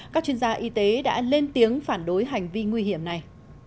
các chuyên gia y tế đã lên tiếng phản đối hành vi nguy hiểm này